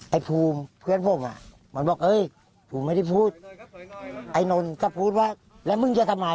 ไอ้ภูมิเพื่อนผมอ่ะมันบอกเอ้ยผมไม่ได้พูดไอ้นนท์ก็พูดว่าแล้วมึงจะทำไม